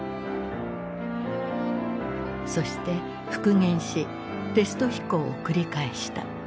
そして復元しテスト飛行を繰り返した。